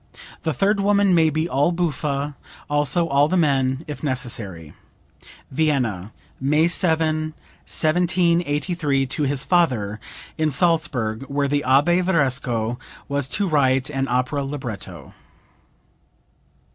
The third woman may be all buffa, also all the men if necessary." (Vienna, May 7, 1783, to his father, in Salzburg, where the Abbe Varesco was to write an opera libretto.)